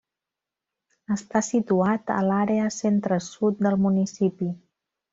Està situat a l'àrea centre-sud del municipi.